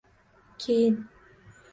Keyin.